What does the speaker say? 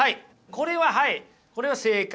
これははいこれは正解。